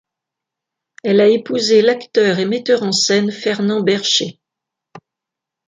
Elle a épousé l'acteur et metteur en scène Fernand Bercher.